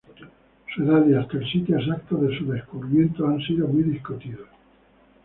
Su edad y hasta el sitio exacto de su descubrimiento han sido muy discutidos.